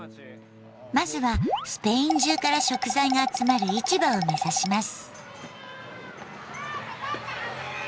まずはスペイン中から食材が集まる市場を目指します。